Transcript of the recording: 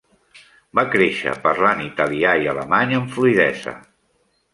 Va créixer parlant italià i alemany amb fluïdesa.